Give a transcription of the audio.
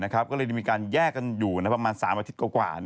ก็เลยมีการแยกกันอยู่ประมาณ๓อาทิตย์กว่า